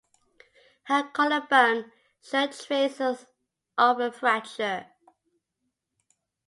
Her collarbone showed traces of a fracture.